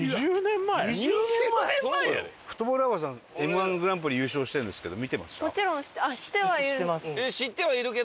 フットボールアワーさん『Ｍ−１グランプリ』優勝してるんですけど見てますか？